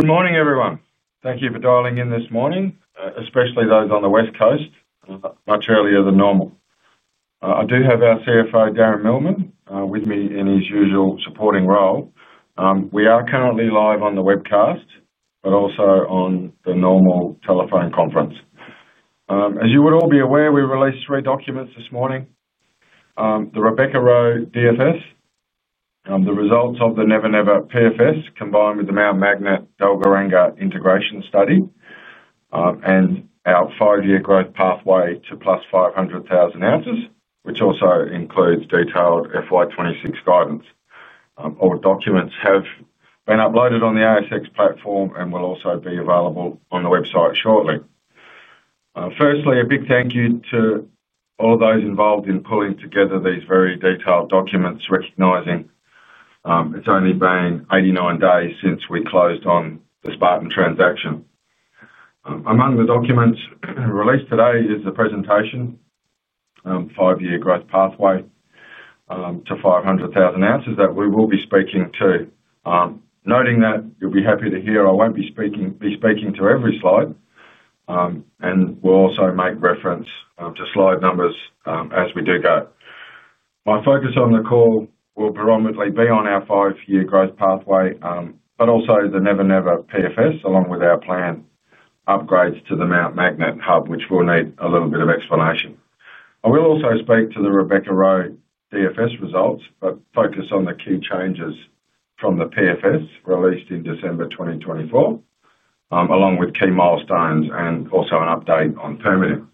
Good morning, everyone. Thank you for dialing in this morning, especially those on the West Coast, much earlier than normal. I do have our CFO, Darren Millman, with me in his usual supporting role. We are currently live on the webcast, but also on the normal telephone conference. As you would all be aware, we released three documents this morning: the Rebecca-Roe DFS, the results of the Never Never PFS combined with the Mount Magnet Dalgaranga integration study, and our five-year growth pathway to +500,000 oz, which also includes detailed FY 2026 guidance. All documents have been uploaded on the ASX platform and will also be available on the website shortly. Firstly, a big thank you to all of those involved in pulling together these very detailed documents, recognizing it's only been 89 days since we closed on the Spartan transaction. Among the documents released today is the presentation, five-year growth pathway to 500,000 oz that we will be speaking to. Noting that, you'll be happy to hear I won't be speaking to every slide, and we'll also make reference to slide numbers as we do go. My focus on the call will predominantly be on our five-year growth pathway, but also the Never Never PFS, along with our planned upgrades to the Mount Magnet Hub, which will need a little bit of explanation. I will also speak to the Rebecca-Roe DFS results, but focus on the key changes from the PFS released in December 2024, along with key milestones and also an update on permitting.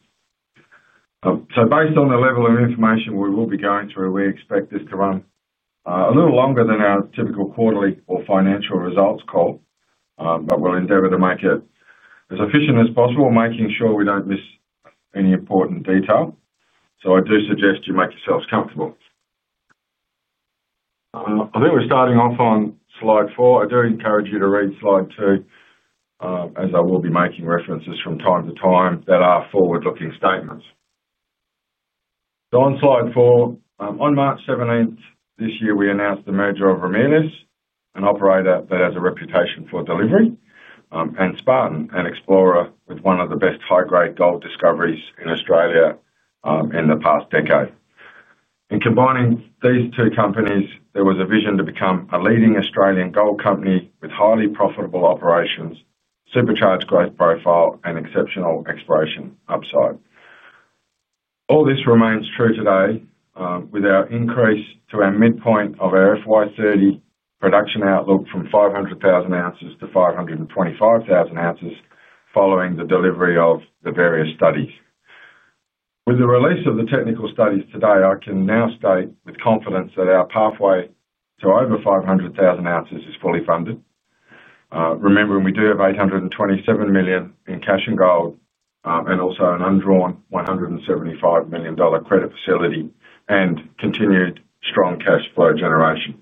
Based on the level of information we will be going through, we expect this to run a little longer than our typical quarterly or financial results call, but we'll endeavor to make it as efficient as possible, making sure we don't miss any important detail. I do suggest you make yourselves comfortable. I think we're starting off on slide four. I do encourage you to read slide two, as I will be making references from time to time that are forward-looking statements. On slide four, on March 17th this year, we announced the merger of Ramelius, an operator that has a reputation for delivery, and Spartan, an explorer with one of the best high-grade gold discoveries in Australia in the past decade. In combining these two companies, there was a vision to become a leading Australian gold company with highly profitable operations, supercharged growth profile, and exceptional exploration upside. All this remains true today with our increase to our midpoint of our FY 2030 production outlook from 500,000 oz-525,000 oz following the delivery of the various studies. With the release of the technical studies today, I can now state with confidence that our pathway to over 500,000 oz is fully funded, remembering we do have 827 million in cash and gold and also an undrawn 175 million dollar credit facility and continued strong cash flow generation.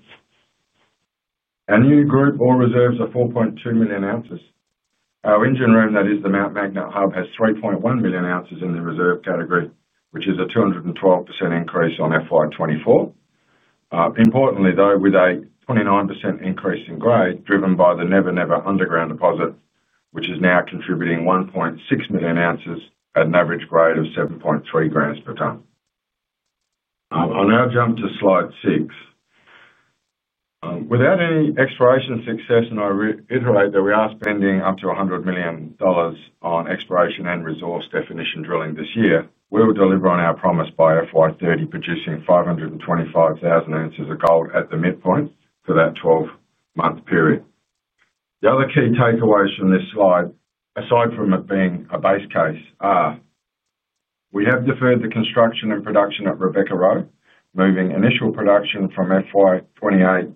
Our new group reserves are 4.2 million oz. Our engine room, that is the Mount Magnet Hub, has 3.1 million oz in the reserve category, which is a 212% increase on FY 2024. Importantly, though, with a 29% increase in grade, driven by the Never Never underground deposit, which is now contributing 1.6 million oz at an average grade of 7.3 g per ton. I'll now jump to slide six. Without any exploration success, and I reiterate that we are spending up to 100 million dollars on exploration and resource definition drilling this year, we will deliver on our promise by FY 2030, producing 525,000 oz of gold at the midpoint for that 12-month period. The other key takeaways from this slide, aside from it being a base case, are we have deferred the construction and production at Rebecca-Roe, moving initial production from FY 2028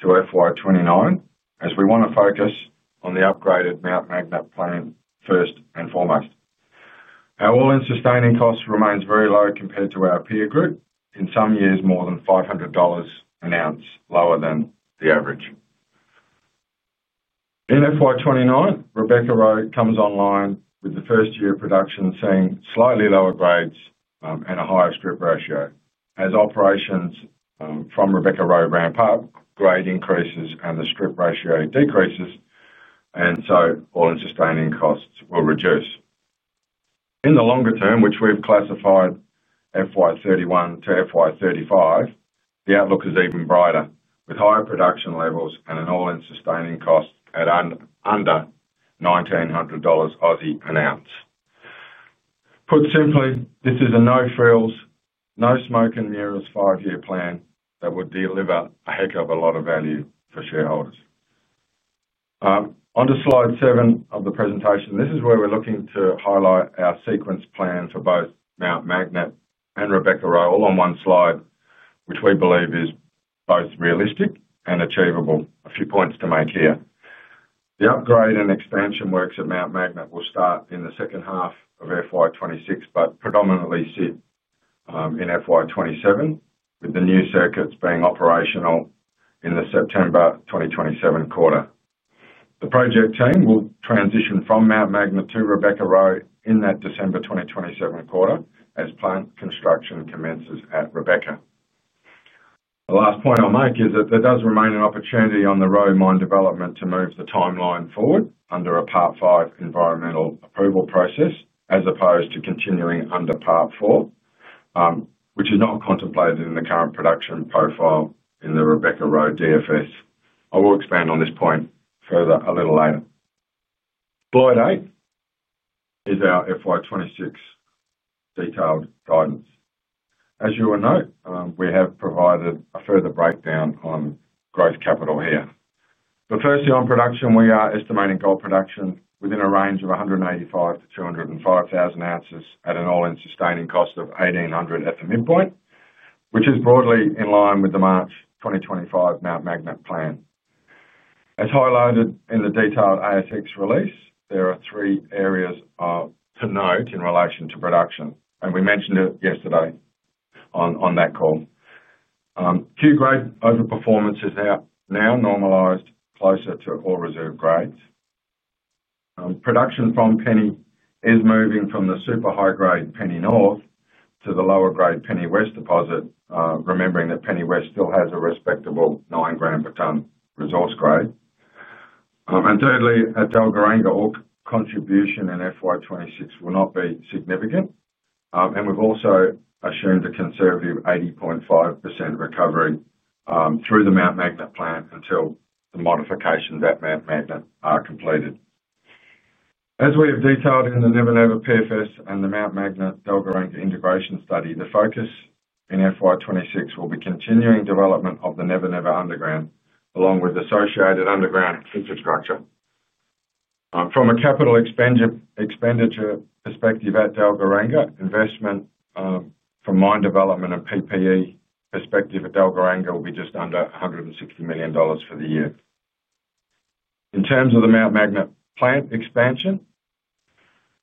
to FY 2029, as we want to focus on the upgraded Mount Magnet plant first and foremost. Our all-in sustaining cost remains very low compared to our peer group, in some years more than 500 dollars an ounce lower than the average. In FY 2029, Rebecca-Roe comes online with the first-year production, seeing slightly lower grades and a higher strip ratio, as operations from Rebecca-Roe ramp up, grade increases, and the strip ratio decreases, and so all-in sustaining costs will reduce. In the longer term, which we've classified FY 2031 to FY 2035, the outlook is even brighter, with higher production levels and an all-in sustaining cost at under 1,900 Aussie dollars an ounce. Put simply, this is a no-frills, no-smoking murals five-year plan that would deliver a heck of a lot of value for shareholders. Onto slide seven of the presentation, this is where we're looking to highlight our sequence plan for both Mount Magnet and Rebecca-Roe, all on one slide, which we believe is both realistic and achievable. A few points to make here. The upgrade and expansion works at Mount Magnet will start in the second half of FY 2026, but predominantly sit in FY 2027, with the new circuits being operational in the September 2027 quarter. The project team will transition from Mount Magnet to Rebecca-Roe in that December 2027 quarter as plant construction commences at Rebecca. The last point I'll make is that there does remain an opportunity on the Roe mine development to move the timeline forward under a Part V environmental approval process, as opposed to continuing under Part IV, which is not contemplated in the current production profile in the Rebecca-Roe DFS. I will expand on this point further a little later. Slide eight is our FY 2026 detailed guidance. As you will note, we have provided a further breakdown on growth capital here. Firstly, on production, we are estimating gold production within a range of 185,000 oz-205,000 oz at an all-in sustaining cost of 1,800 at the midpoint, which is broadly in line with the March 2025 Mount Magnet plan. As highlighted in the detailed ASX release, there are three areas to note in relation to production, and we mentioned it yesterday on that call. Q-grade overperformance is now normalized closer to all-reserve grades. Production from Penny is moving from the super high-grade Penny North to the lower-grade Penny West deposit, remembering that Penny West still has a respectable 9 g per tonne resource grade. Thirdly, at Dalgaranga, all contribution in FY 2026 will not be significant, and we've also assumed a conservative 80.5% recovery through the Mount Magnet plant until the modifications at Mount Magnet are completed. As we have detailed in the Never Never PFS and the Mount Magnet Dalgaranga integration study, the focus in FY 2026 will be continuing development of the Never Never underground, along with associated underground infrastructure. From a capital expenditure perspective at Dalgaranga, investment from mine development and PPE perspective at Dalgaranga will be just under 160 million dollars for the year. In terms of the Mount Magnet plant expansion,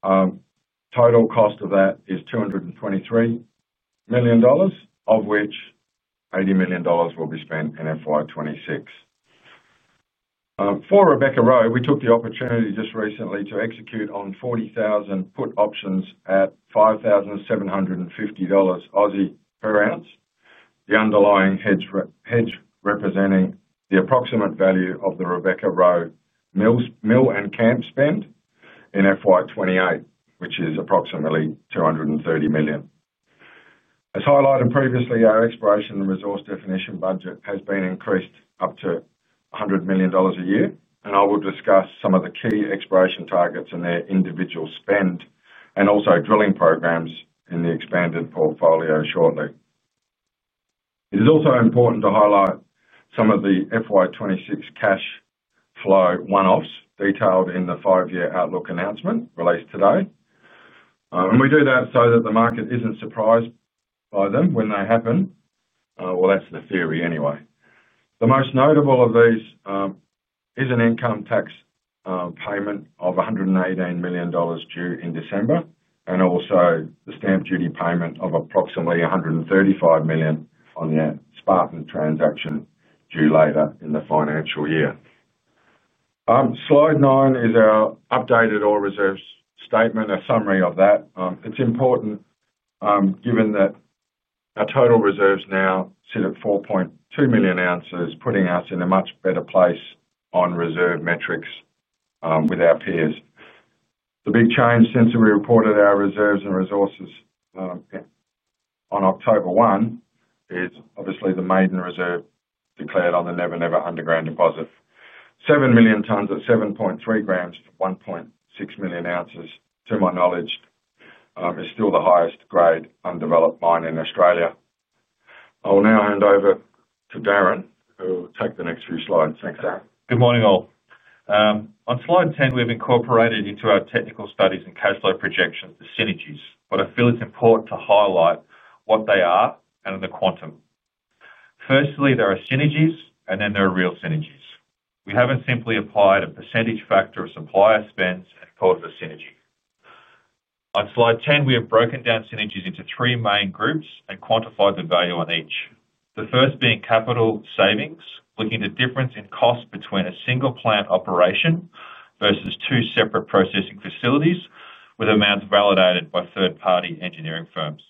total cost of that is 223 million dollars, of which 80 million dollars will be spent in FY 2026. For Rebecca-Roe, we took the opportunity just recently to execute on 40,000 put options at 5,750 Aussie dollars per ounce, the underlying hedge representing the approximate value of the Rebecca-Roe mill and camp spend in FY 2028, which is approximately 230 million. As highlighted previously, our exploration and resource definition budget has been increased up to 100 million dollars a year, and I will discuss some of the key exploration targets and their individual spend and also drilling programs in the expanded portfolio shortly. It is also important to highlight some of the FY 2026 cash flow one-offs detailed in the five-year outlook announcement released today. We do that so that the market isn't surprised by them when they happen. The most notable of these is an income tax payment of 118 million dollars due in December, and also the stamp duty payment of approximately 135 million on the Spartan transaction due later in the financial year. Slide nine is our updated all-reserves statement, a summary of that. It's important given that our total reserves now sit at 4.2 million oz, putting us in a much better place on reserve metrics with our peers. The big change since we reported our reserves and resources on October 1 is obviously the maiden reserve declared on the Never Never underground deposit. 7 million tonnes of 7.3 g to 1.6 million oz, to my knowledge, is still the highest-grade undeveloped mine in Australia. I will now hand over to Darren, who will take the next few slides. Thanks, Darren. Good morning all. On slide 10, we've incorporated into our technical studies and cash flow projections the synergies, but I feel it's important to highlight what they are and in the quantum. Firstly, there are synergies, and then there are real synergies. We haven't simply applied a percentage factor of supplier spends and thought of a synergy. On slide 10, we have broken down synergies into three main groups and quantified the value on each. The first being capital savings, looking at the difference in cost between a single plant operation versus two separate processing facilities with amounts validated by third-party engineering firms.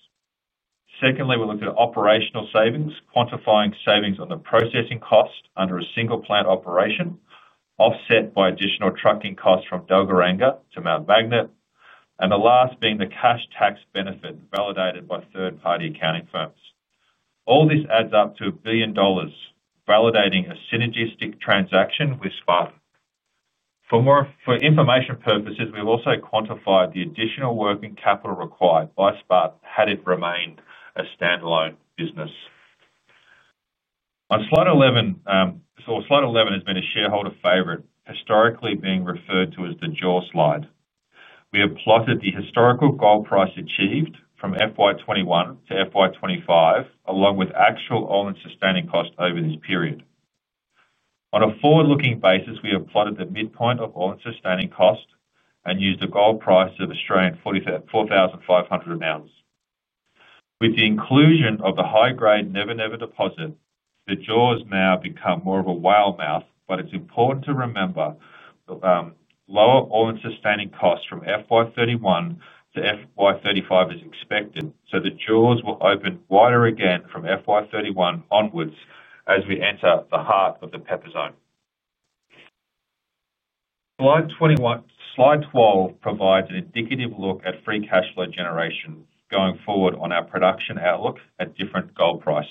Secondly, we looked at operational savings, quantifying savings on the processing cost under a single plant operation, offset by additional trucking costs from Dalgaranga to Mount Magnet, and the last being the cash tax benefit validated by third-party accounting firms. All this adds up to 1 billion dollars validating a synergistic transaction with Spartan. For more information purposes, we've also quantified the additional working capital required by Spartan had it remained a standalone business. On slide 11, slide 11 has been a shareholder favorite, historically being referred to as the jaw slide. We have plotted the historical gold price achieved from FY 2021 to FY 2025, along with actual all-in sustaining cost over this period. On a forward-looking basis, we have plotted the midpoint of all-in sustaining cost and used a gold price of 4,500 an ounce. With the inclusion of the high-grade Never Never deposit, the jaws now become more of a whale mouth, but it's important to remember that lower all-in sustaining costs from FY 2031 to FY 2035 is expected, so the jaws will open wider again from FY 2031 onwards as we enter the heart of the Pepper zone. Slide 12 provides an indicative look at free cash flow generation going forward on our production outlook at different gold prices.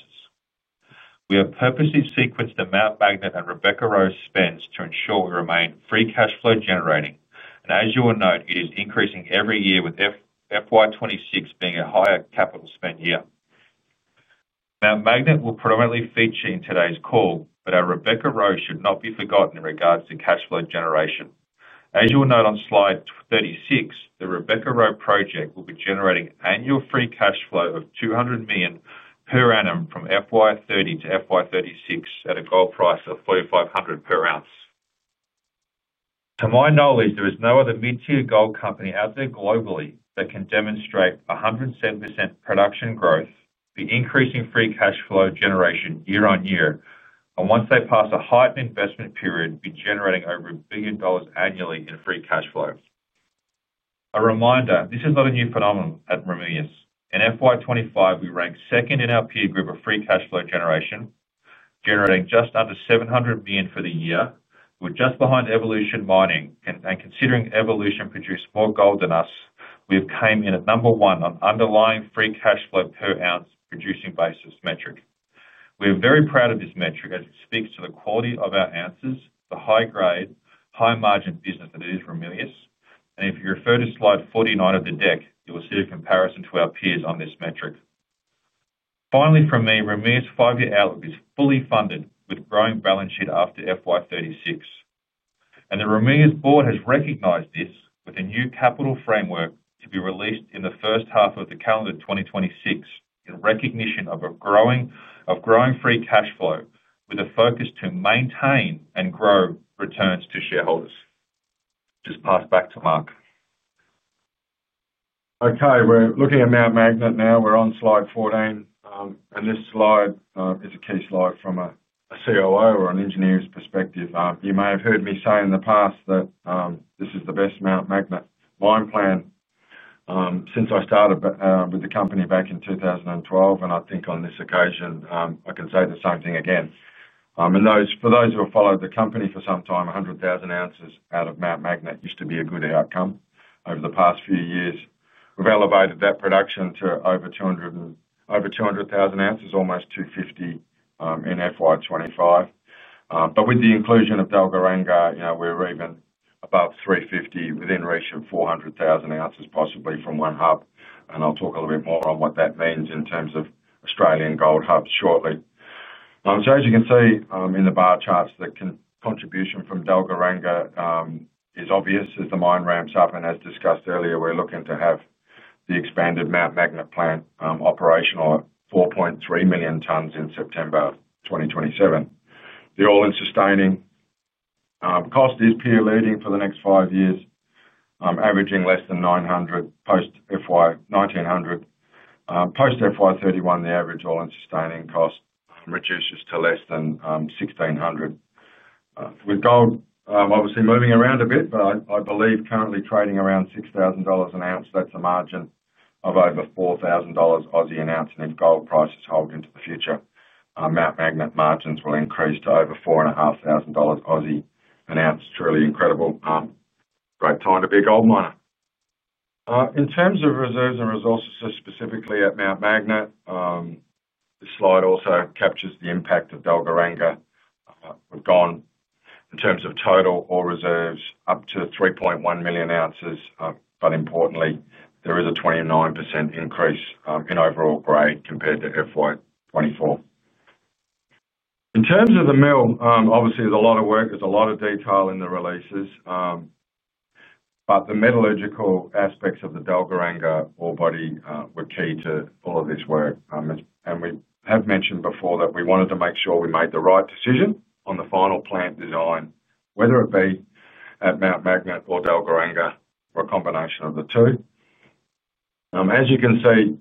We have purposely sequenced the Mount Magnet and Rebecca-Roe spends to ensure we remain free cash flow generating, and as you will note, it is increasing every year with FY 2026 being a higher capital spend year. Mount Magnet will predominantly feature in today's call, but our Rebecca-Roe should not be forgotten in regards to cash flow generation. As you will note on slide 36, the Rebecca-Roe project will be generating annual free cash flow of 200 million per annum from FY 2030 to FY 2036 at a gold price of 4,500 per ounce. To my knowledge, there is no other mid-tier gold company out there globally that can demonstrate 107% production growth, be increasing free cash flow generation year on year, and once they pass a heightened investment period, be generating over 1 billion dollars annually in free cash flow. A reminder, this is not a new phenomenon at Ramelius. In FY 2025, we ranked second in our peer group of free cash flow generation, generating just under 700 million for the year. We're just behind Evolution Mining, and considering Evolution produced more gold than us, we have come in at number one on underlying free cash flow per ounce producing basis metric. We're very proud of this metric as it speaks to the quality of our ounces, the high grade, high margin business that it is, Ramelius. If you refer to slide 49 of the deck, you will see a comparison to our peers on this metric. Finally, for me, Ramelius' five-year outlook is fully funded with growing balance sheet after FY 2036. The Ramelius board has recognized this with a new capital allocation framework to be released in the first half of calendar 2026 in recognition of a growing free cash flow with a focus to maintain and grow returns to shareholders. Just pass back to Mark. Okay, we're looking at Mount Magnet now. We're on slide 14, and this slide is a key slide from a COO or an engineer's perspective. You may have heard me say in the past that this is the best Mount Magnet mine plan since I started with the company back in 2012, and I think on this occasion I can say the same thing again. For those who have followed the company for some time, 100,000 oz out of Mount Magnet used to be a good outcome. Over the past few years, we've elevated that production to over 200,000 oz, almost 250,000 oz in FY 2025. With the inclusion of Dalgaranga, we're even above 350,000 oz within reach of 400,000 oz, possibly from one hub. I'll talk a little bit more on what that means in terms of Australian gold hubs shortly. As you can see in the bar charts, the contribution from Dalgaranga is obvious as the mine ramps up. As discussed earlier, we're looking to have the expanded Mount Magnet plant operational at 4.3 million tonnes in September 2027. The all-in sustaining cost is peer-leading for the next five years, averaging less than 900 post FY 1900. Post FY 2031, the average all-in sustaining cost reduces to less than 1,600. With gold obviously moving around a bit, but I believe currently trading around 6,000 dollars an ounce, that's a margin of over 4,000 Aussie dollars an ounce. If gold prices hold into the future, Mount Magnet margins will increase to over 4,500 Aussie dollars an ounce. Truly incredible. Great time to be a gold miner. In terms of reserves and resources specifically at Mount Magnet, this slide also captures the impact of Dalgaranga. We've gone in terms of total ore reserves up to 3.1 million oz, but importantly, there is a 29% increase in overall grade compared to FY 2024. In terms of the mill, obviously there's a lot of work, there's a lot of detail in the releases, but the metallurgical aspects of the Dalgaranga ore body were key to all of this work. We have mentioned before that we wanted to make sure we made the right decision on the final plant design, whether it be at Mount Magnet or Dalgaranga or a combination of the two. As you can see,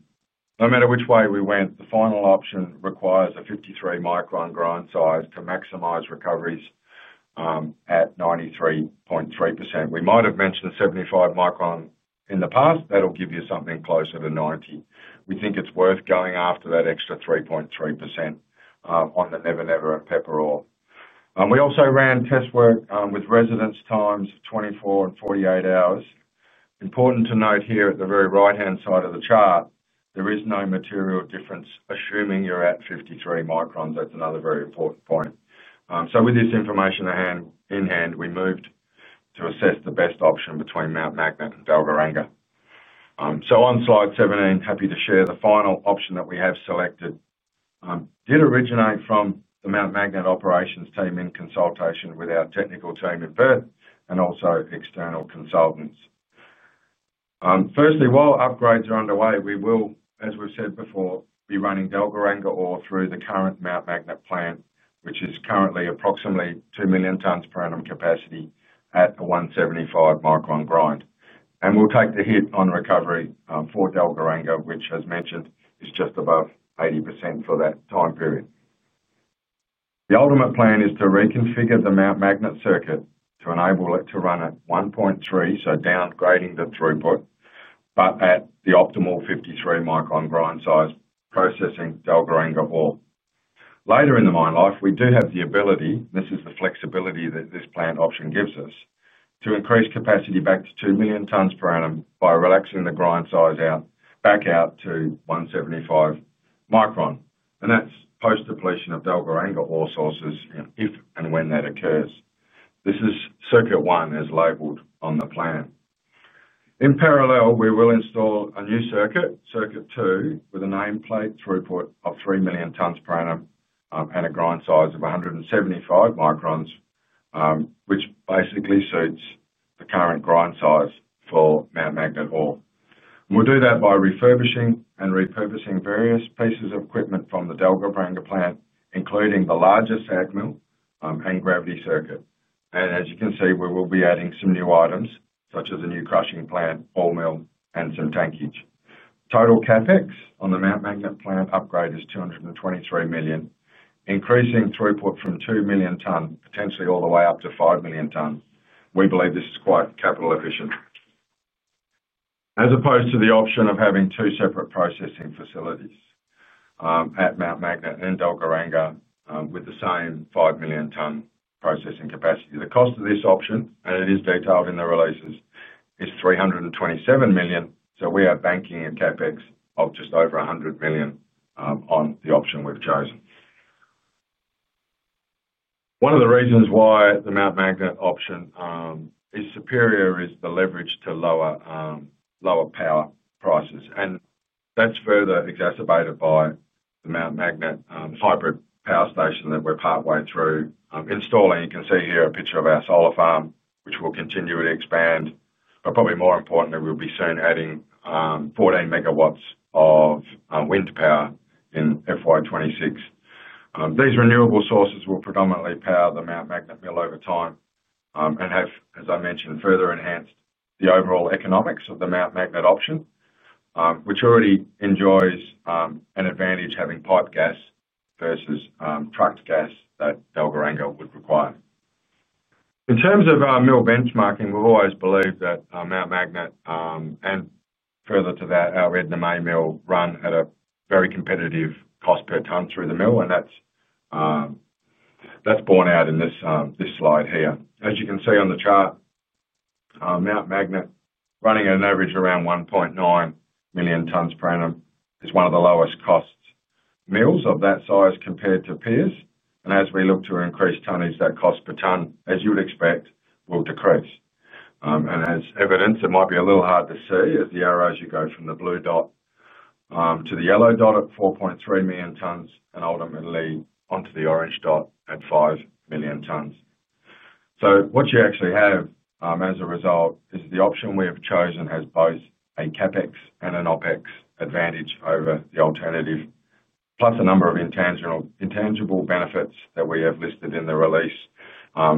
no matter which way we went, the final option requires a 53-micron grind size to maximize recoveries at 93.3%. We might have mentioned a 75-micron in the past. That'll give you something closer to 90%. We think it's worth going after that extra 3.3% on the Never Never and Pepper ore. We also ran test work with residence times of 24 and 48 hours. Important to note here at the very right-hand side of the chart, there is no material difference assuming you're at 53 microns. That's another very important point. With this information in hand, we moved to assess the best option between Mount Magnet and Dalgaranga. On slide 17, happy to share the final option that we have selected. Did originate from the Mount Magnet operations team in consultation with our technical team at birth and also external consultants. Firstly, while upgrades are underway, we will, as we've said before, be running Dalgaranga ore through the current Mount Magnet plant, which is currently approximately 2 million tonnes per annum capacity at a 175-micron grind. We'll take the hit on recovery for Dalgaranga, which, as mentioned, is just above 80% for that time period. The ultimate plan is to reconfigure the Mount Magnet circuit to enable it to run at 1.3, so downgrading the throughput, but at the optimal 53-micron grind size processing Dalgaranga ore. Later in the mine life, we do have the ability, and this is the flexibility that this plant option gives us, to increase capacity back to 2 million tonnes per annum by relaxing the grind size back out to 175 micron. That's post-depletion of Dalgaranga ore sources if and when that occurs. This is circuit one, as labeled on the plan. In parallel, we will install a new circuit, circuit two, with a nameplate throughput of 3 million tonnes per annum and a grind size of 175 microns, which basically suits the current grind size for Mount Magnet ore. We'll do that by refurbishing and repurposing various pieces of equipment from the Dalgaranga plant, including the larger SAG mill and gravity circuit. As you can see, we will be adding some new items, such as a new crushing plant, oil mill, and some tankage. Total CapEx on the Mount Magnet plant upgrade is 223 million, increasing throughput from 2 million tonnes, potentially all the way up to 5 million tonnes. We believe this is quite capital efficient, as opposed to the option of having two separate processing facilities at Mount Magnet and Dalgaranga with the same 5 million tonne processing capacity. The cost of this option, and it is detailed in the releases, is 327 million, so we are banking a CapEx of just over 100 million on the option we've chosen. One of the reasons why the Mount Magnet option is superior is the leverage to lower power prices, and that's further exacerbated by the Mount Magnet hybrid power station that we're partway through installing. You can see here a picture of our solar farm, which will continue to expand, but probably more importantly, we'll be soon adding 14 MW of wind power in FY 2026. These renewable sources will predominantly power the Mount Magnet mill over time and have, as I mentioned, further enhanced the overall economics of the Mount Magnet option, which already enjoys an advantage having pipe gas versus trucked gas that Dalgaranga would require. In terms of our mill benchmarking, we've always believed that Mount Magnet and further to that, our Edna May Mill run at a very competitive cost per tonne through the mill, and that's borne out in this slide here. As you can see on the chart, Mount Magnet running at an average of around 1.9 million tonnes per annum is one of the lowest cost mills of that size compared to peers. As we look to increase tonnage, that cost per tonne, as you would expect, will decrease. As evidence, it might be a little hard to see as the arrows you go from the blue dot to the yellow dot at 4.3 million tonnes and ultimately onto the orange dot at 5 million tonnes. What you actually have as a result is the option we have chosen has both a CapEx and an OpEx advantage over the alternative, plus a number of intangible benefits that we have listed in the release.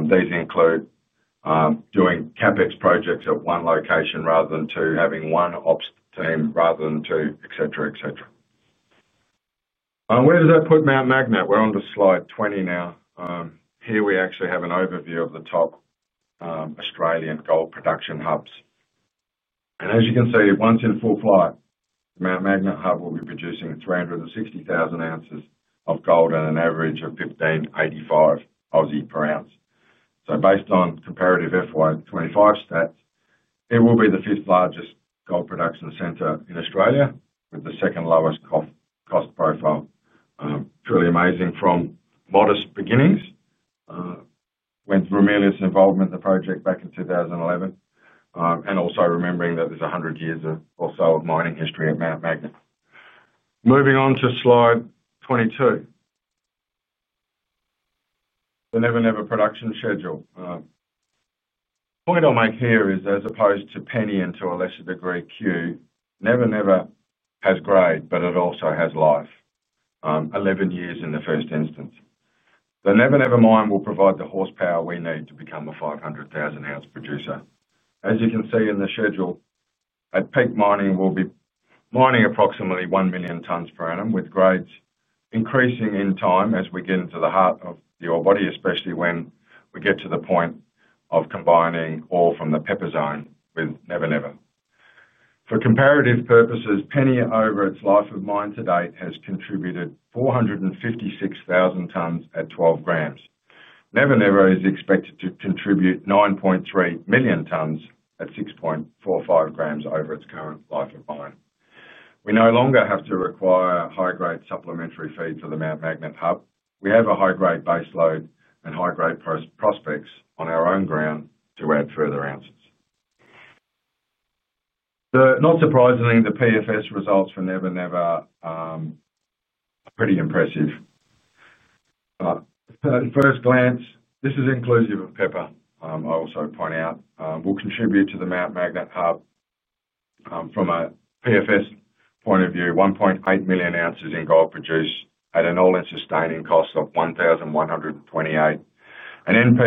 These include doing CapEx projects at one location rather than two, having one ops team rather than two, etc., etc. Where does that put Mount Magnet? We're onto slide 20 now. Here we actually have an overview of the top Australian gold production hubs. As you can see, once in full flight, the Mount Magnet Hub will be producing 360,000 oz of gold at an average of 1,585 per ounce. Based on comparative FY 2025 stats, it will be the fifth largest gold production centre in Australia with the second lowest cost profile. Truly amazing from modest beginnings with Ramelius' involvement in the project back in 2011, and also remembering that there's 100 years or so of mining history at Mount Magnet. Moving on to slide 22. The Never Never production schedule. Point I'll make here is, as opposed to Penny and to a lesser degree, Cue, Never Never has grade, but it also has life, 11 years in the first instance. The Never Never mine will provide the horsepower we need to become a 500,000 oz producer. As you can see in the schedule, at peak mining, we'll be mining approximately 1 million tonnes per annum with grades increasing in time as we get into the heart of the ore body, especially when we get to the point of combining ore from the Pepper zone with Never Never. For comparative purposes, Penny over its life of mine to date has contributed 456,000 tonnes at 12 g. Never Never is expected to contribute 9.3 million tonnes at 6.45 g over its current life of mine. We no longer have to require high-grade supplementary feed for the Mount Magnet Hub. We have a high-grade base load and high-grade prospects on our own ground to add further ounce. Not surprisingly, the PFS results for Never Never are pretty impressive. At first glance, this is inclusive of Pepper, I also point out, will contribute to the Mount Magnet Hub from a PFS point of view, 1.8 million oz in gold produced at an all-in sustaining cost of 1,128, an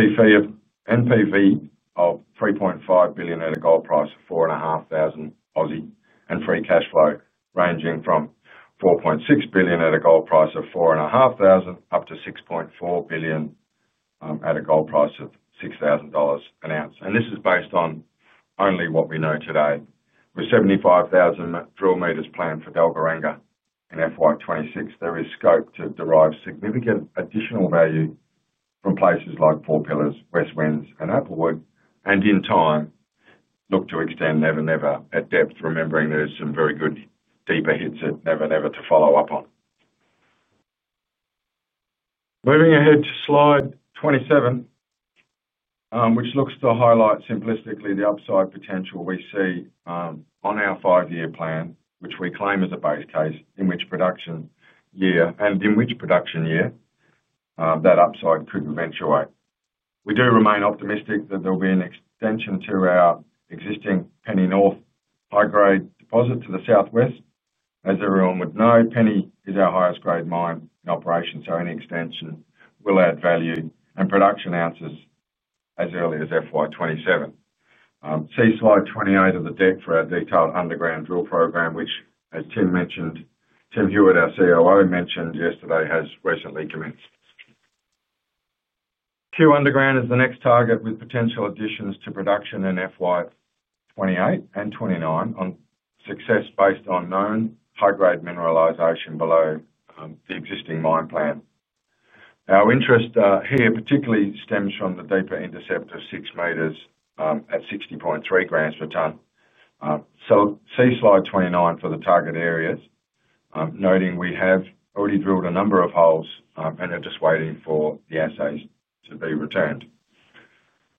NPV of 3.5 billion at a gold price of 4,500, and free cash flow ranging from 4.6 billion at a gold price of 4,500 up to 6.4 billion at a gold price of 6,000 dollars an ounce. This is based on only what we know today. With 75,000 drill meters planned for Dalgaranga in FY 2026, there is scope to derive significant additional value from places like Four Pillars, West Winds, and Applewood, and in time, look to extend Never Never at depth, remembering there's some very good deeper hits at Never Never to follow up on. Moving ahead to slide 27, which looks to highlight simplistically the upside potential we see on our five-year plan, which we claim is a base case in which production year and in which production year that upside could eventuate. We do remain optimistic that there'll be an extension to our existing Penny North high-grade deposit to the southwest. As everyone would know, Penny is our highest grade mine in operation, so any extension will add value and production ounces as early as FY 2027. See slide 28 of the deck for our detailed underground drill program, which, as Tim mentioned, Tim Hewitt, our COO, mentioned yesterday, has recently commenced. Cue underground is the next target with potential additions to production in FY 2028 and FY 2029 on success based on known high-grade mineralization below the existing mine plan. Our interest here particularly stems from the deeper intercept of six meters at 60.3 g per tonne. See slide 29 for the target areas, noting we have already drilled a number of holes and are just waiting for the assays to be returned.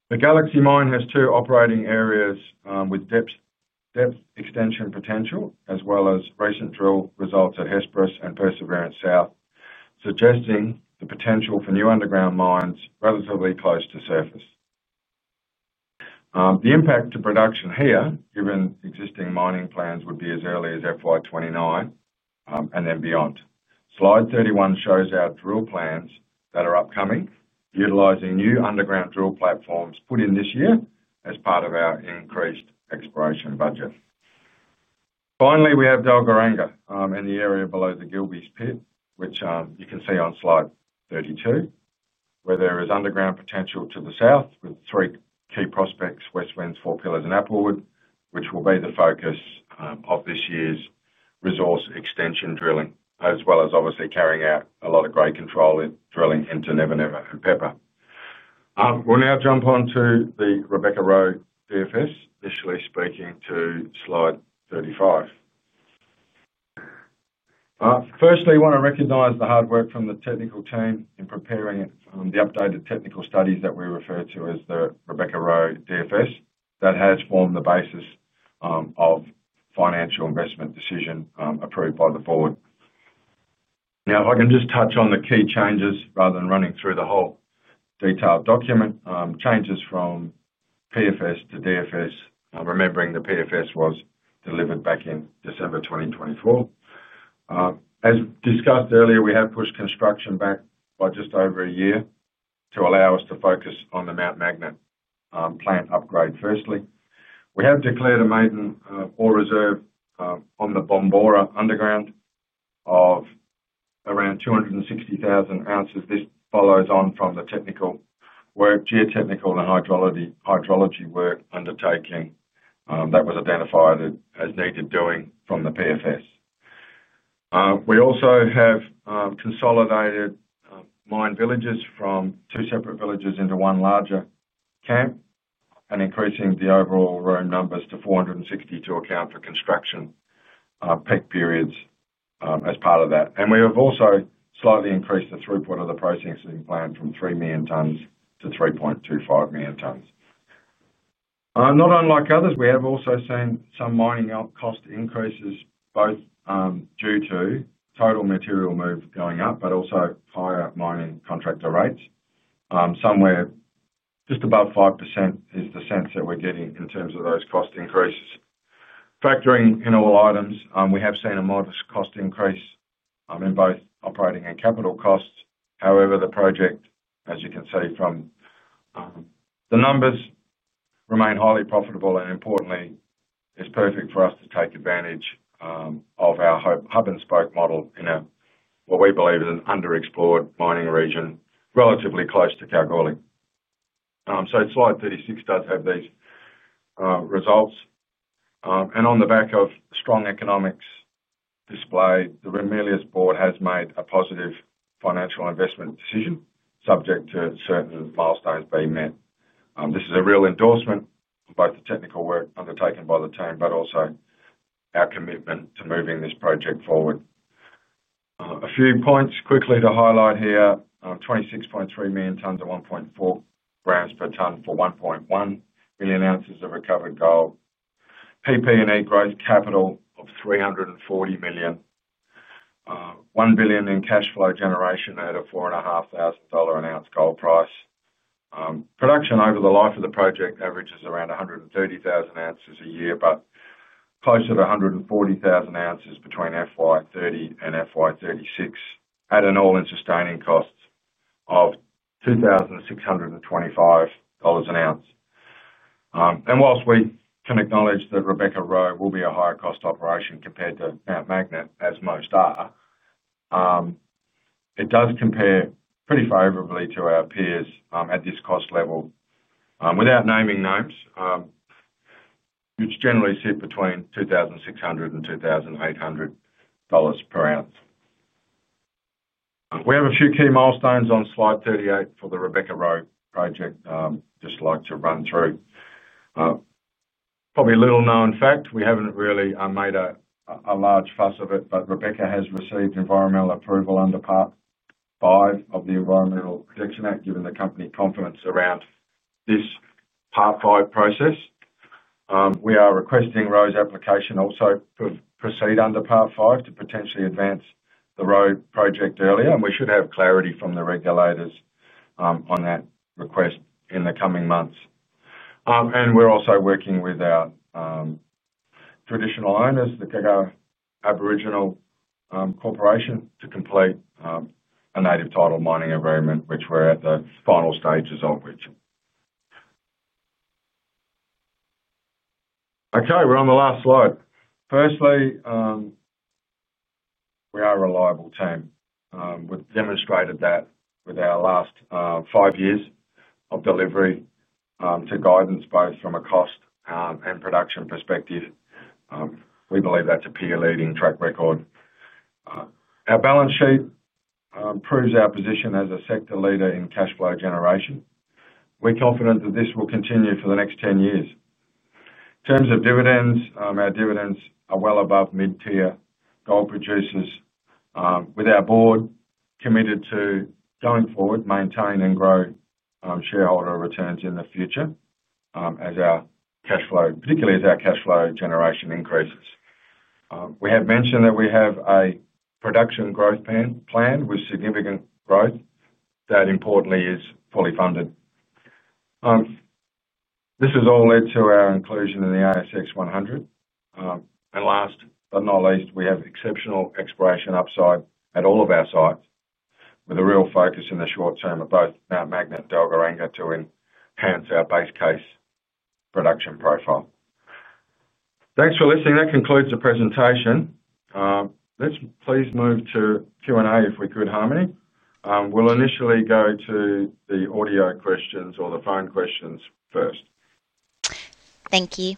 The Galaxy mine has two operating areas with depth extension potential, as well as recent drill results at Hesperus and Perseverance South, suggesting the potential for new underground mines relatively close to surface. The impact to production here, given existing mining plans, would be as early as FY 2029 and then beyond. Slide 31 shows our drill plans that are upcoming, utilizing new underground drill platforms put in this year as part of our increased exploration budget. Finally, we have Dalgaranga in the area below the Gilbey's Pit, which you can see on slide 32, where there is underground potential to the south with three key prospects: West Winds, Four Pillars, and Applewood, which will be the focus of this year's resource extension drilling, as well as obviously carrying out a lot of grade control with drilling into Never Never and Pepper. We'll now jump onto the Rebecca-Roe DFS, initially speaking to slide 35. Firstly, I want to recognize the hard work from the technical team in preparing the updated technical studies that we refer to as the Rebecca-Roe DFS that has formed the basis of financial investment decision approved by the board. Now, if I can just touch on the key changes rather than running through the whole detailed document, changes from PFS to DFS, remembering the PFS was delivered back in December 2024. As discussed earlier, we have pushed construction back by just over a year to allow us to focus on the Mount Magnet plant upgrade firstly. We have declared a maiden reserve on the Bombora underground of around 260,000 oz. This follows on from the technical work, geotechnical and hydrology work undertaken that was identified as needed doing from the PFS. We also have consolidated mine villages from two separate villages into one larger camp and increased the overall room numbers to 460 to account for construction peak periods as part of that. We have also slightly increased the throughput of the processing plant from 3 million tonnes to 3.25 million tonnes. Not unlike others, we have also seen some mining cost increases both due to total material move going up, but also higher mining contractor rates. Somewhere just above 5% is the sense that we're getting in terms of those cost increases. Factoring in all items, we have seen a modest cost increase in both operating and capital costs. However, the project, as you can see from the numbers, remains highly profitable and importantly is perfect for us to take advantage of our hub and spoke model in what we believe is an underexplored mining region relatively close to Kalgoorlie. Slide 36 does have these results. On the back of strong economics display, the Ramelius board has made a positive financial investment decision subject to certain milestones being met. This is a real endorsement of both the technical work undertaken by the team, but also our commitment to moving this project forward. A few points quickly to highlight here: 26.3 million tonnes at 1.4 g per tonne for 1.1 million oz of recovered gold. PP&E gross capital of 340 million. 1 billion in cash flow generation at a 4,500 dollar an ounce gold price. Production over the life of the project averages around 130,000 oz a year, but closer to 140,000 oz between FY 2030 and FY 2036 at an all-in sustaining cost of 2,625 dollars an ounce. Whilst we can acknowledge that Rebecca-Roe will be a higher cost operation compared to Mount Magnet, as most are, it does compare pretty favorably to our peers at this cost level, without naming names, which generally sit between 2,600 and AUD 2,800 per ounce. We have a few key milestones on slide 38 for the Rebecca-Roe project I'd just like to run through. Probably a little known fact, we haven't really made a large fuss of it, but Rebecca has received environmental approval under Part V of the Environmental Protection Act, giving the company confidence around this Part V process. We are requesting Roe's application also to proceed under Part V to potentially advance the Roe project earlier, and we should have clarity from the regulators on that request in the coming months. We're also working with our traditional owners, the [Karla] Aboriginal Corporation, to complete a native title mining agreement, which we're at the final stages of. We're on the last slide. Firstly, we are a reliable team. We've demonstrated that with our last five years of delivery to guidance, both from a cost and production perspective. We believe that's a peer-leading track record. Our balance sheet proves our position as a sector leader in cash flow generation. We're confident that this will continue for the next 10 years. In terms of dividends, our dividends are well above mid-tier gold producers, with our Board committed to going forward, maintain and grow shareholder returns in the future as our cash flow, particularly as our cash flow generation increases. We have mentioned that we have a production growth plan with significant growth that importantly is fully funded. This has all led to our inclusion in the ASX 100. Last but not least, we have exceptional exploration upside at all of our sites, with a real focus in the short term of both Mount Magnet and Dalgaranga to enhance our base case production profile. Thanks for listening. That concludes the presentation. Let's please move to Q&A if we could, Harmony. We'll initially go to the audio questions or the phone questions first. Thank you.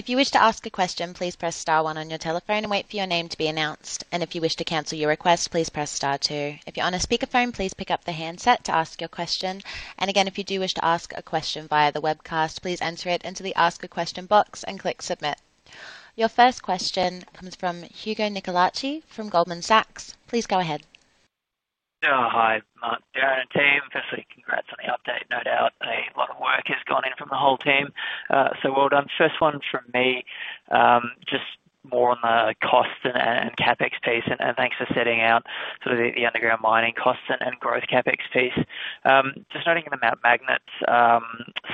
If you wish to ask a question, please press star one on your telephone and wait for your name to be announced. If you wish to cancel your request, please press star two. If you're on a speaker phone, please pick up the handset to ask your question. If you do wish to ask a question via the webcast, please enter it into the ask a question box and click submit. Your first question comes from Hugo Nicolaci from Goldman Sachs. Please go ahead. Hi, Darren, team. Firstly, congrats on the update. No doubt a lot of work has gone in from the whole team. So well done. First one from me, just more on the cost and CapEx piece, and thanks for setting out sort of the underground mining costs and growth CapEx piece. Just noting in the Mount Magnet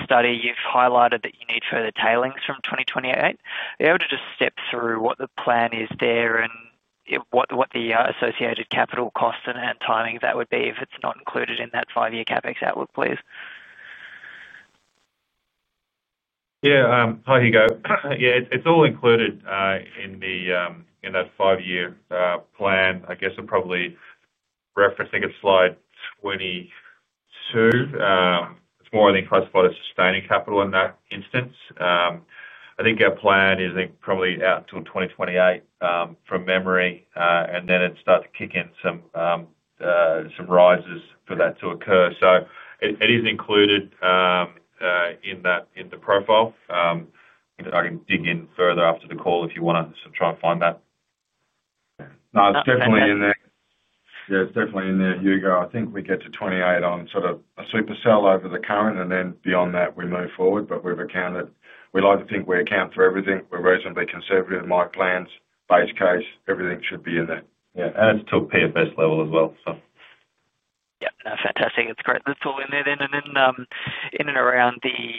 study, you've highlighted that you need further tailings from 2028. Are you able to just step through what the plan is there and what the associated capital cost and timing of that would be if it's not included in that five-year CapEx outlook, please. Yeah. Hi, Hugo. Yeah, it's all included in that five-year plan. I guess I'm probably referencing slide 22. It's more, I think, classified as sustaining capital in that instance. I think our plan is probably out till 2028 from memory, and then it'd start to kick in some rises for that to occur. It is included in the profile. I can dig in further after the call if you want to try and find that. No, it's definitely in there. Yeah, it's definitely in there, Hugo. I think we get to 2028 on sort of a super sell over the current, and then beyond that we move forward. We've accounted, we like to think we account for everything. We're reasonably conservative in my plans. Base case, everything should be in there. Yeah, and it's still PFS level as well. Yeah, fantastic. It's great. The tool in there, and then in and around the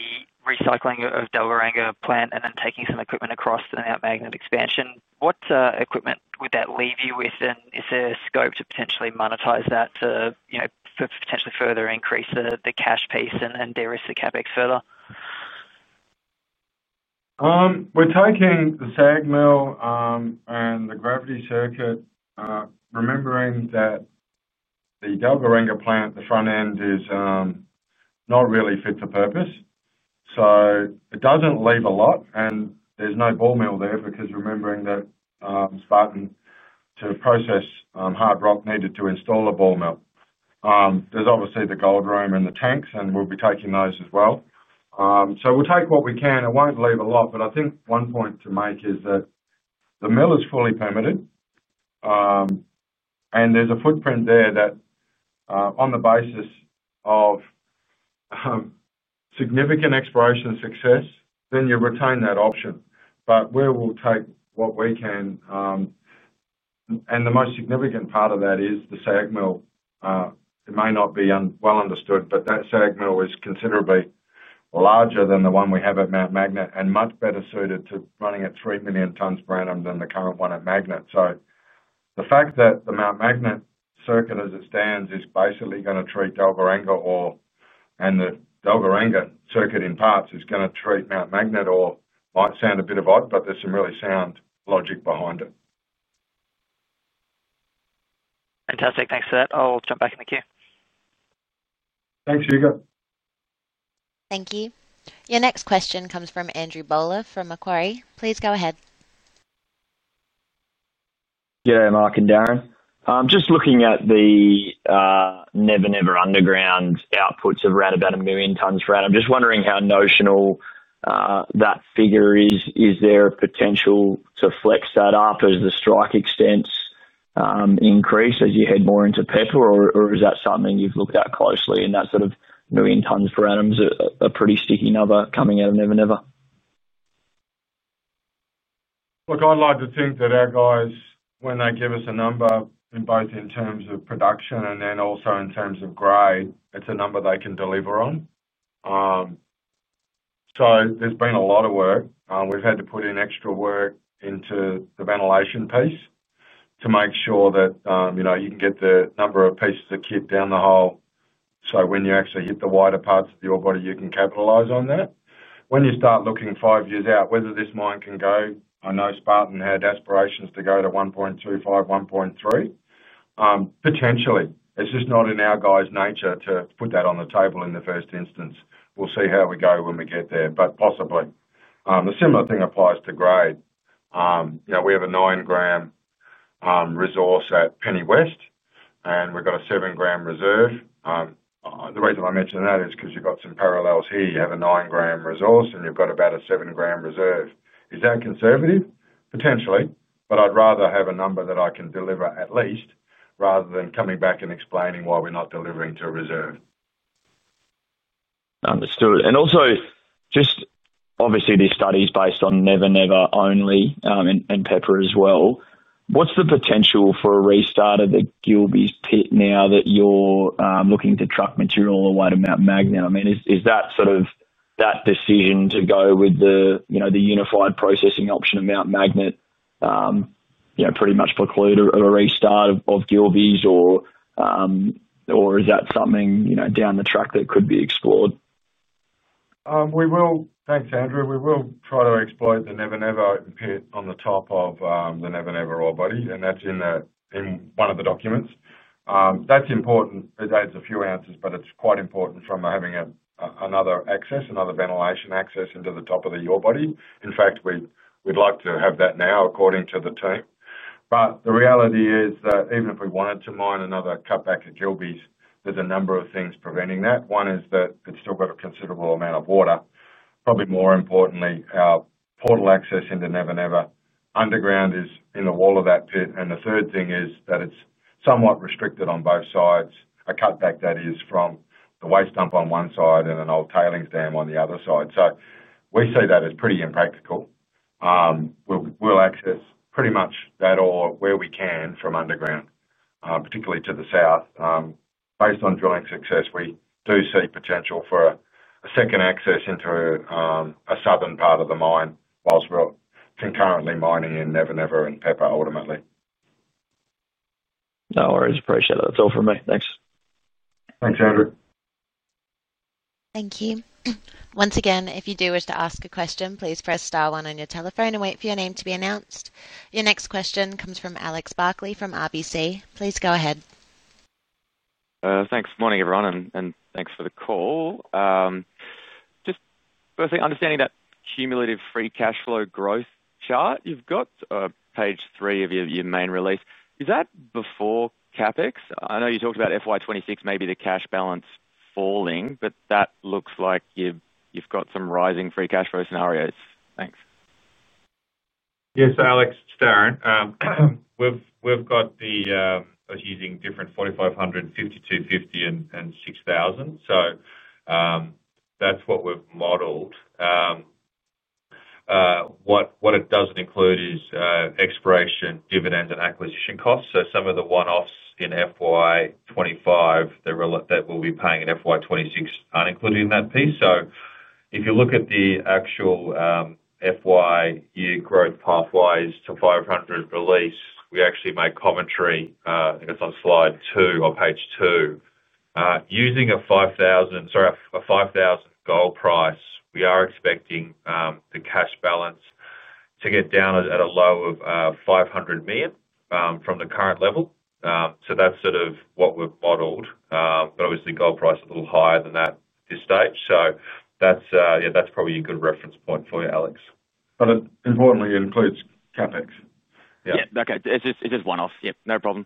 recycling of Dalgaranga plant and then taking some equipment across to the Mount Magnet expansion. What equipment would that leave you with, and is there a scope to potentially monetize that to, you know, potentially further increase the cash piece and de-risk the CapEx further? We're taking the SAG mill and the gravity circuit, remembering that the Dalgaranga plant, the front end, does not really fit the purpose. It doesn't leave a lot, and there's no ball mill there because remembering that Spartan to process hard rock needed to install a ball mill. There's obviously the gold room and the tanks, and we'll be taking those as well. We'll take what we can. It won't leave a lot. I think one point to make is that the mill is fully permitted, and there's a footprint there that on the basis of significant exploration success, you retain that option. We will take what we can, and the most significant part of that is the SAG mill. It may not be well understood, but that SAG mill is considerably larger than the one we have at Mount Magnet and much better suited to running at 3 million tonnes per annum than the current one at Mount Magnet. The fact that the Mount Magnet circuit as it stands is basically going to treat Dalgaranga ore, and the Dalgaranga circuit in parts is going to treat Mount Magnet ore might sound a bit odd, but there's some really sound logic behind it. Fantastic. Thanks for that. I'll jump back in the queue. Thanks, Hugo. Thank you. Your next question comes from Andrew Bowler from Macquarie. Please go ahead. Yeah, Mark and Darren. Just looking at the Never Never underground outputs of around about a million tonnes for ad, I'm just wondering how notional that figure is. Is there a potential to flex that up as the strike extents increase as you head more into Pepper, or is that something you've looked at closely? That sort of million tonnes per annum is a pretty sticky number coming out of Never Never. Look, I'd like to think that our guys, when they give us a number in both in terms of production and then also in terms of grade, it's a number they can deliver on. There's been a lot of work. We've had to put in extra work into the ventilation piece to make sure that you can get the number of pieces of kit down the hole. When you actually hit the wider parts of the ore body, you can capitalize on that. When you start looking five years out, whether this mine can go, I know Spartan had aspirations to go to 1.25, 1.3, potentially. It's just not in our guys' nature to put that on the table in the first instance. We'll see how we go when we get there, but possibly. A similar thing applies to grade. You know, we have a 9 g resource at Penny West, and we've got a 7 g reserve. The reason I mention that is because you've got some parallels here. You have a 9 g resource, and you've got about a 7 g reserve. Is that conservative? Potentially. I'd rather have a number that I can deliver at least rather than coming back and explaining why we're not delivering to a reserve. Understood. Obviously, this study is based on Never Never only and Pepper as well. What's the potential for a restart of the Gilbey's Pit now that you're looking to truck material away to Mount Magnet? Is that decision to go with the unified processing option of Mount Magnet pretty much preclude a restart of Gilbey's, or is that something down the track that could be explored? Thanks, Andrew. We will try to exploit the Never Never Pit on the top of the Never Never ore body, and that's in one of the documents. That's important. It adds a few ounces, but it's quite important from having another access, another ventilation access into the top of the ore body. In fact, we'd like to have that now according to the team. The reality is that even if we wanted to mine another cutback at Gilbey's, there's a number of things preventing that. One is that it's still got a considerable amount of water. Probably more importantly, our portal access into Never Never underground is in the wall of that pit. The third thing is that it's somewhat restricted on both sides, a cutback that is from the waste dump on one side and an old tailings dam on the other side. We see that as pretty impractical. We'll access pretty much that ore where we can from underground, particularly to the south. Based on drilling success, we do see potential for a second access into a southern part of the mine whilst we're concurrently mining in Never Never and Pepper ultimately. No worries. Appreciate it. That's all for me. Thanks. Thanks, Andrew. Thank you. Once again, if you do wish to ask a question, please press star one on your telephone and wait for your name to be announced. Your next question comes from Alex Barkley from RBC. Please go ahead. Thanks. Morning everyone, and thanks for the call. Just firstly, understanding that cumulative free cash flow growth chart you've got, page three of your main release, is that before CapEx? I know you talked about FY 2026 maybe the cash balance falling, but that looks like you've got some rising free cash flow scenarios. Thanks. Yes, Alex, it's Darren. We've got the, I was using different 4,500, 5,250, and 6,000. That's what we've modelled. What it doesn't include is exploration, dividends, and acquisition costs. Some of the one-offs in FY 2025 that we'll be paying in FY 2026 aren't included in that piece. If you look at the actual FY year growth pathways to 500 release, we actually make commentary, I think it's on slide two or page two, using a 5,000 gold price. We are expecting the cash balance to get down at a low of 500 million from the current level. That's sort of what we've modelled. Obviously, gold price is a little higher than that at this stage. That's probably a good reference point for you, Alex. Importantly, it includes CapEx. Yeah, okay. It's just one-offs. Yeah, no problem.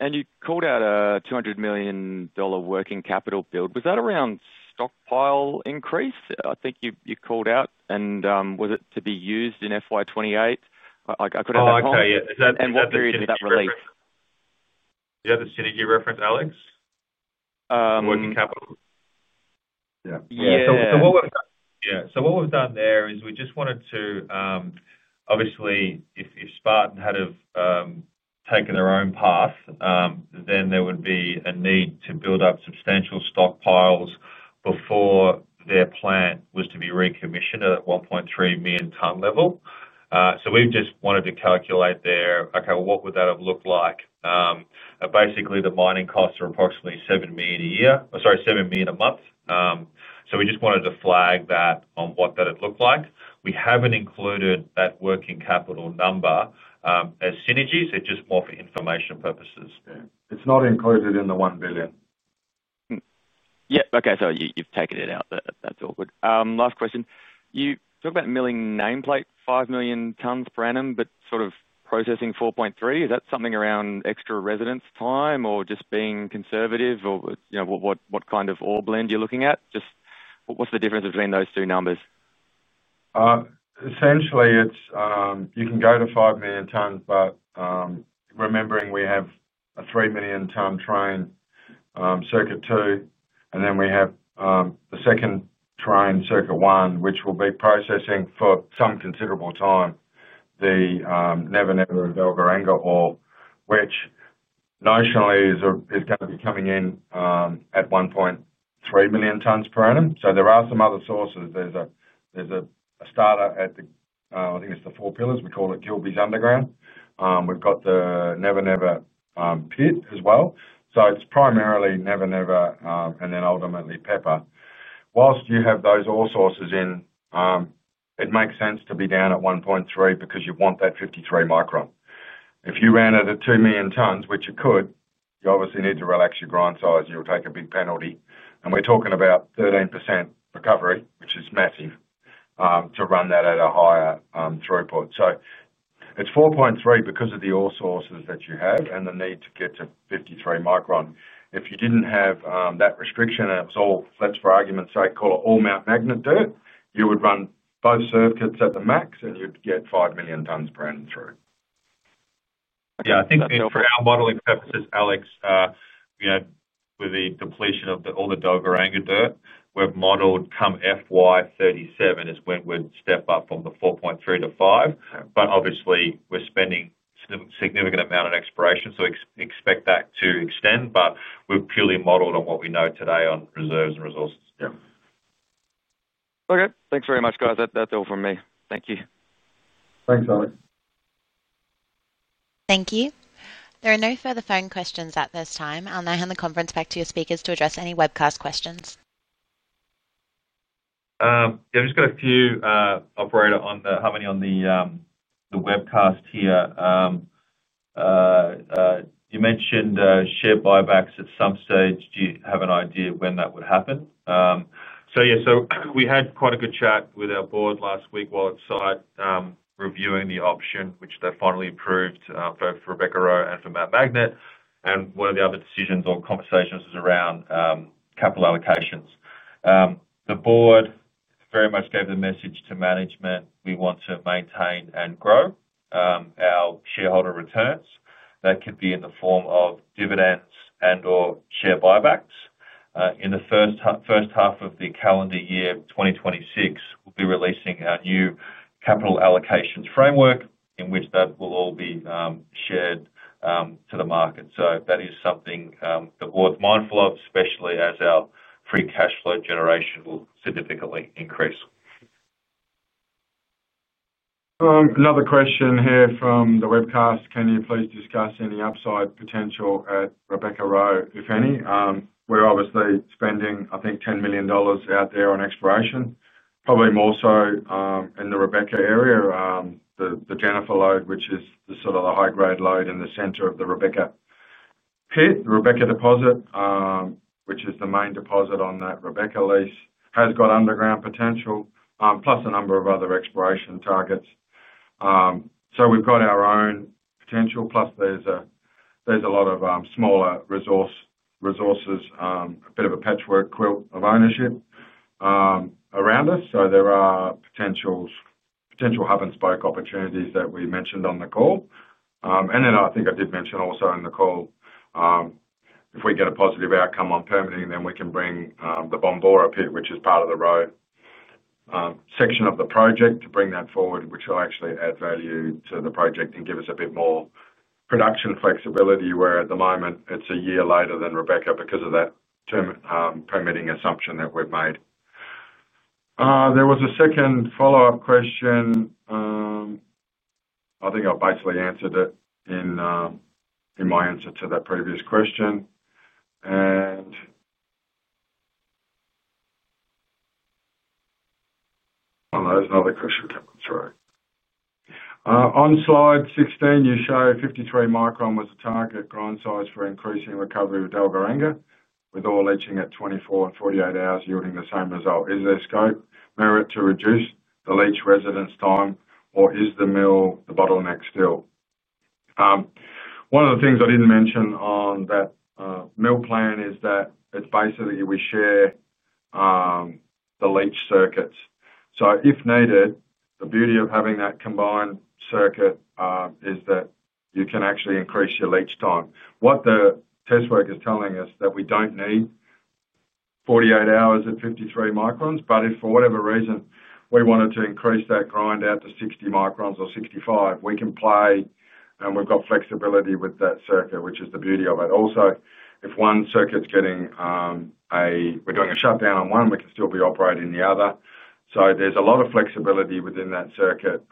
You called out a 200 million dollar working capital build. Was that around stockpile increase? I think you called out, and was it to be used in FY 2028? I couldn't understand. Okay, yeah. What period did that release? Is that the synergy reference, Alex? Working capital? Yeah. Yeah. What we've done there is we just wanted to, obviously, if Spartan had taken their own path, then there would be a need to build up substantial stockpiles before their plant was to be recommissioned at a 1.3 million tonne level. We just wanted to calculate there, okay, what would that have looked like? Basically, the mining costs are approximately 7 million a year, or sorry, 7 million a month. We just wanted to flag that on what that had looked like. We haven't included that working capital number as synergy. Just more for information purposes. Yeah, it's not included in the 1 billion. Yeah. Okay. You've taken it out. That's all good. Last question. You talk about milling nameplate 5 million tonnes per annum, but sort of processing 4.3 million tones. Is that something around extra residence time or just being conservative, or what kind of ore blend you're looking at? What's the difference between those two numbers? Essentially, you can go to 5 million tonnes, but remembering we have a 3 million tonne train, circuit two, and then we have the second train, circuit one, which will be processing for some considerable time, the Never Never and Dalgaranga ore, which notionally is going to be coming in at 1.3 million tonnes per annum. There are some other sources. There's a starter at the, I think it's the Four Pillars. We call it Gilbey's Underground. We've got the Never Never Pit as well. It's primarily Never Never and then ultimately Pepper. Whilst you have those ore sources in, it makes sense to be down at 1.3 million tonnes because you want that 53 micron. If you ran it at 2 million tonnes, which it could, you obviously need to relax your grind size and you'll take a big penalty. We're talking about 13% recovery, which is massive, to run that at a higher throughput. It's 4.3 million tonnes because of the ore sources that you have and the need to get to 53 micron. If you didn't have that restriction and it was all, let's for argument's sake, call it all Mount Magnet dirt, you would run both circuits at the max and you'd get 5 million tonnes per annum through. Yeah, I think for our modelling purposes, Alex, with the depletion of all the Dalgaranga dirt, we've modelled come FY 2037 is when we'd step up from the 4.3 million tonnes to 5 million tonnes. Obviously, we're spending a significant amount on exploration, so expect that to extend. We've purely modelled on what we know today on reserves and resources. Yeah. Okay, thanks very much, guys. That's all from me. Thank you. Thanks, Alex. Thank you. There are no further phone questions at this time. I'll now hand the conference back to your speakers to address any webcast questions. Yeah, I've just got a few on the webcast here. You mentioned share buybacks at some stage. Do you have an idea of when that would happen? We had quite a good chat with our board last week while at site reviewing the option, which they finally approved for Rebecca-Roe and for Mount Magnet. One of the other decisions or conversations was around capital allocations. The board very much gave the message to management we want to maintain and grow our shareholder returns. That could be in the form of dividends and/or share buybacks. In the first half of the calendar year, 2026, we'll be releasing our new capital allocation framework in which that will all be shared to the market. That is something that we're both mindful of, especially as our free cash flow generation will significantly increase. Another question here from the webcast. Can you please discuss any upside potential at Rebecca-Roe, if any? We're obviously spending, I think, 10 million dollars out there on exploration, probably more so in the Rebecca area, the Jennifer Lode, which is the sort of the high-grade lode in the center of the Rebecca Pit, the Rebecca deposit, which is the main deposit on that Rebecca lease, has got underground potential, plus a number of other exploration targets. We've got our own potential, plus there's a lot of smaller resources, a bit of a patchwork quilt of ownership around us. There are potential hub and spoke opportunities that we mentioned on the call. I think I did mention also in the call, if we get a positive outcome on permitting, then we can bring the Bombora Pit, which is part of the road section of the project, to bring that forward, which will actually add value to the project and give us a bit more production flexibility, where at the moment, it's a year later than Rebecca because of that permitting assumption that we've made. There was a second follow-up question. I think I basically answered it in my answer to that previous question. There's another question coming through. On slide 16, you show 53 micron was the target grind size for increasing recovery of Dalgaranga, with ore leaching at 24 and 48 hours, yielding the same result. Is there scope merit to reduce the leach residence time, or is the mill the bottleneck still? One of the things I didn't mention on that mill plan is that we share the leach circuits. If needed, the beauty of having that combined circuit is that you can actually increase your leach time. What the test work is telling us is that we don't need 48 hours at 53 microns, but if for whatever reason we wanted to increase that grind out to 60 microns or 65 microns, we can play, and we've got flexibility with that circuit, which is the beauty of it. Also, if one circuit's getting a, we're doing a shutdown on one, we can still be operating the other. There's a lot of flexibility within that circuit,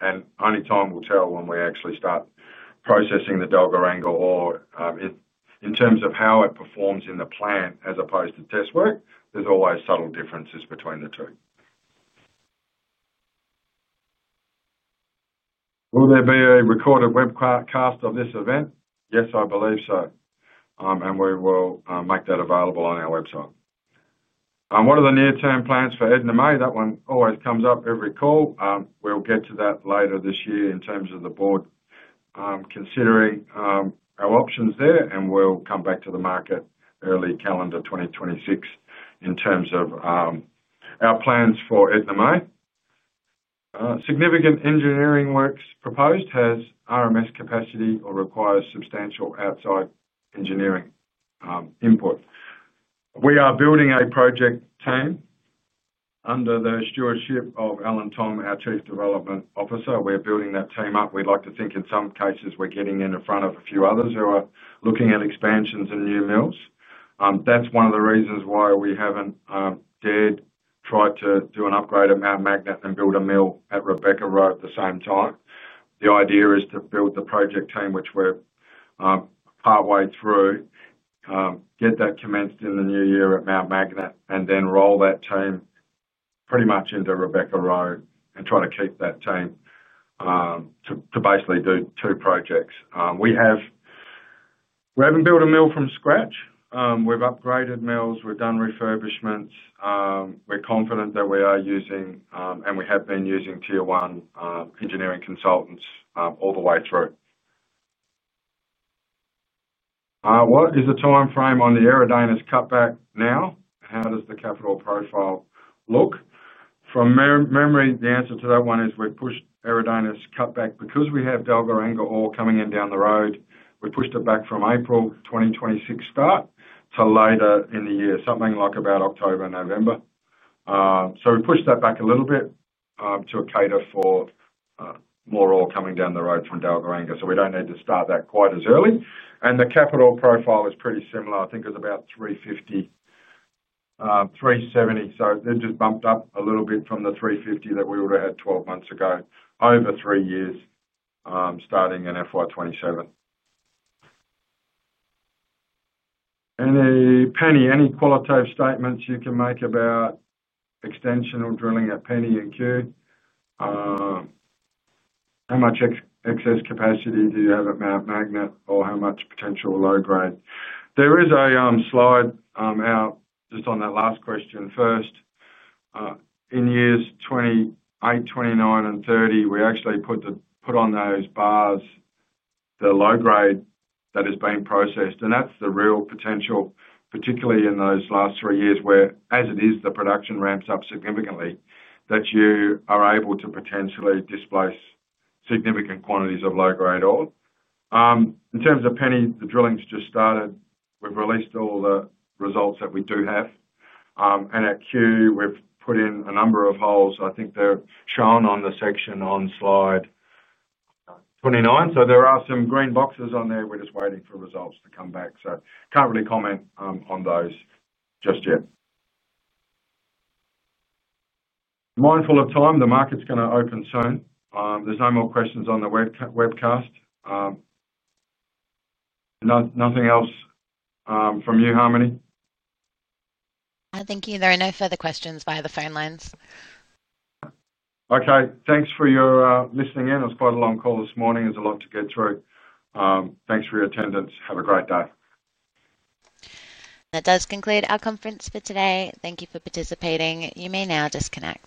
and only time will tell when we actually start processing the Dalgaranga ore in terms of how it performs in the plant as opposed to test work. There's always subtle differences between the two. Will there be a recorded webcast of this event? Yes, I believe so. We will make that available on our website. What are the near-term plans for Edna May? That one always comes up every call. We'll get to that later this year in terms of the board considering our options there, and we'll come back to the market early calendar 2026 in terms of our plans for Edna May. Significant engineering works proposed has RMS capacity or requires substantial outside engineering input. We are building a project team under the stewardship of Alan Thom, our Chief Development Officer. We're building that team up. We'd like to think in some cases we're getting in the front of a few others who are looking at expansions and new mills. That's one of the reasons why we haven't dared try to do an upgrade at Mount Magnet and build a mill at Rebecca-Roe at the same time. The idea is to build the project team, which we're partway through, get that commenced in the new year at Mount Magnet, and then roll that team pretty much into Rebecca-Roe and try to keep that team to basically do two projects. We haven't built a mill from scratch. We've upgraded mills. We've done refurbishments. We're confident that we are using, and we have been using, tier one engineering consultants all the way through. What is the timeframe on the Iridanious cutback now? How does the capital profile look? From memory, the answer to that one is we've pushed Iridanious cutback because we have Dalgaranga ore coming in down the road. We pushed it back from April 2026 start to later in the year, something like about October and November. We pushed that back a little bit to cater for more ore coming down the road from Dalgaranga. We don't need to start that quite as early. The capital profile is pretty similar. I think it was about 350 million, 370 million. It just bumped up a little bit from the 350 million that we would have had 12 months ago over three years starting in FY 2027. Any Penny, any qualitative statements you can make about extensional drilling at Penny and Cue? How much excess capacity do you have at Mount Magnet or how much potential low grade? There is a slide out just on that last question. First, in years 2028, 2029, and 2030, we actually put on those bars the low grade that is being processed. That's the real potential, particularly in those last three years, where as it is, the production ramps up significantly, that you are able to potentially displace significant quantities of low grade ore. In terms of Penny, the drilling's just started. We've released all the results that we do have. At Cue, we've put in a number of holes. I think they're shown on the section on slide 29. There are some green boxes on there. We're just waiting for results to come back. I can't really comment on those just yet. Mindful of time, the market's going to open soon. There's no more questions on the webcast. Nothing else from you, Harmony. Thank you. There are no further questions via the phone lines. Okay, thanks for listening in. It was quite a long call this morning. There's a lot to get through. Thanks for your attendance. Have a great day. That does conclude our conference for today. Thank you for participating. You may now disconnect.